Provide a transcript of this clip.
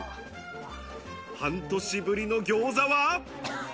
半年ぶりの餃子は。